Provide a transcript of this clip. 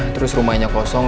terus rumahnya kosong